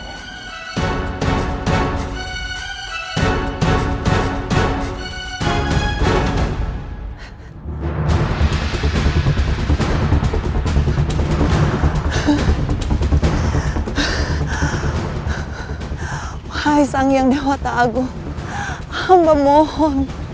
oh tuhan yang kuat aku berdoa